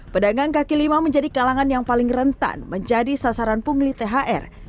pedagang kaki lima menjadi kalangan yang paling rentan menjadi sasaran pungli thr